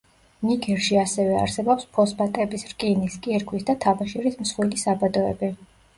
ნიგერში ასევე არსებობს ფოსფატების, რკინის, კირქვის და თაბაშირის მსხვილი საბადოები.